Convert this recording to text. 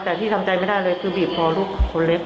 แต่ที่ทำใจไม่ได้เลยคือบีบคอลูกคนเล็ก